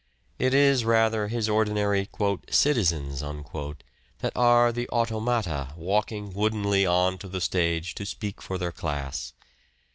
It is rather his ordinary " citizens " that are the automata walking woodenly on to the stage to speak for their class.